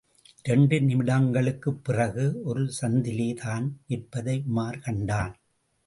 இரண்டு நிமிடங்களுக்குப் பிறகு, ஒரு சந்திலே தான் நிற்பதை உமார் கண்டான்.